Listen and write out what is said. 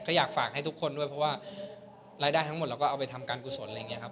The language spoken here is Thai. ก็อยากฝากให้ทุกคนด้วยเพราะว่ารายได้ทั้งหมดเราก็เอาไปทำการกุศลอะไรอย่างนี้ครับ